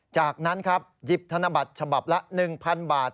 จากนั้นครับหยิบธนบัตรฉบับละ๑๐๐๐บาท